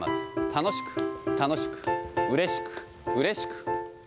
楽しく、楽しく、うれしく、うれしく。